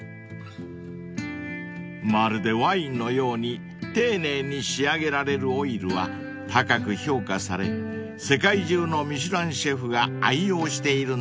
［まるでワインのように丁寧に仕上げられるオイルは高く評価され世界中の『ミシュラン』シェフが愛用しているんですって］